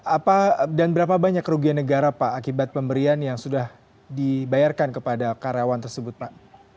apa dan berapa banyak kerugian negara pak akibat pemberian yang sudah dibayarkan kepada karyawan tersebut pak